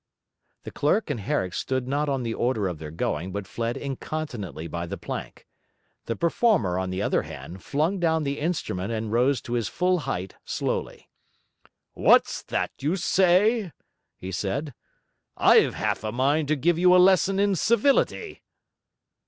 The clerk and Herrick stood not on the order of their going, but fled incontinently by the plank. The performer, on the other hand, flung down the instrument and rose to his full height slowly. 'What's that you say?' he said. 'I've half a mind to give you a lesson in civility.'